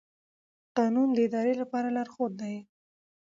قانون د ادارې لپاره لارښود دی.